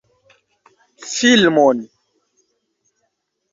Filmon?